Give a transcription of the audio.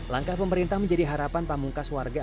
langkah pemerintah menjadi harapan pamungkas warga